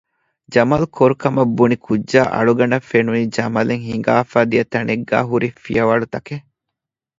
ޖަމަލު ކޮރު ކަމަށް ބުނި ކުއްޖާ އަޅުގަނޑަށް ފެނުނީ ޖަމަލެއް ހިނގާފައި ދިޔަ ތަނެއްގައި ހުރި ފިޔަވަޅުތަކެއް